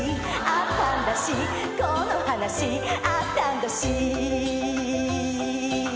「あったんだしこの話あったんだし」